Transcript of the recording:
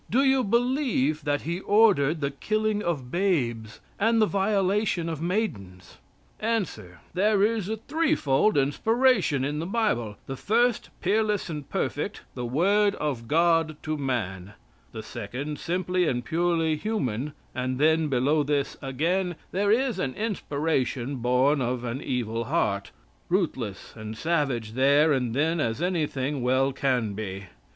Do you believe that He ordered the killing of babes and the violation of maidens? A. "There is three fold inspiration in the Bible, the first peerless and perfect, the Word of God to man; the second simply and purely human, and then below this again, there is an inspiration born of an evil heart, ruthless and savage there and then as anything well can be.